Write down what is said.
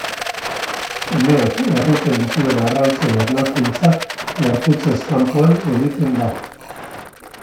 Emeak erruten dituen arrautzen ernalkuntza gorputzez kanpoan egiten da.